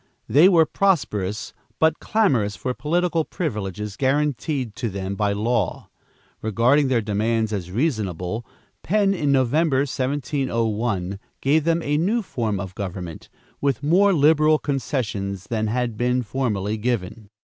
They were prosperous, but clamorous for political privileges guaranteed to them by law. Regarding their demands as reasonable, Penn, in November, 1701, gave them a new form of government, with more liberal concessions than had been formerly given.